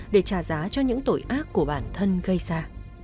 để trả giá cho những tội ác của bản thân gây ra